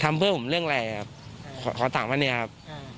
ทำเพื่อผมเรื่องอะไรครับขอถามวันนี้ครับ